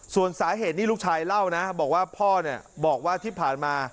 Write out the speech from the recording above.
ส่วนสาเหตุนี่ลูกชายเล่านะบอกว่าพ่อเนี่ยบอกว่าที่ผ่านมา